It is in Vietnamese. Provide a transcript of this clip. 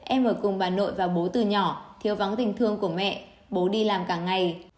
em ở cùng bà nội và bố từ nhỏ thiếu vắng tình thương của mẹ bố đi làm cả ngày